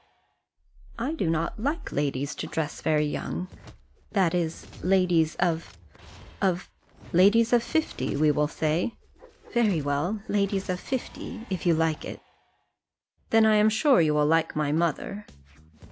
"I do not like ladies to dress very young, that is, ladies of of " "Ladies of fifty, we will say?" "Very well; ladies of fifty, if you like it." "Then I am sure you will like my mother."